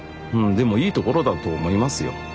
でもいいところだと思いますよ。